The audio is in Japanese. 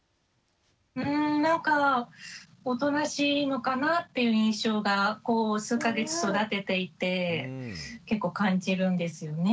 うんなんかおとなしいのかなっていう印象がこう数か月育てていて結構感じるんですよね。